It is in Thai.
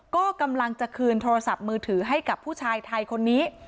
ก็กำลังจะคืนโทรศัพท์มือถือให้กับผู้ชายไทยคนนี้